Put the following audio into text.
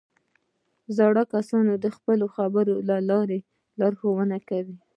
زاړه کسان د خپلو خبرو له لارې لارښوونه کوي